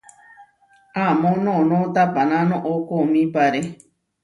Amó noʼnó tapaná noʼó koomípare.